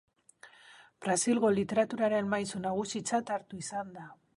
Brasilgo literaturaren maisu nagusitzat hartu izan da.